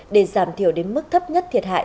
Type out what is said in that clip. để giảm thiểu đến mức thấp nhất thiệt hại